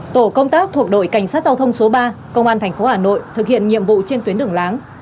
tổ công tác thuộc đội cảnh sát giao thông số ba công an thành phố hà nội thực hiện nhiệm vụ trên tuyến đường láng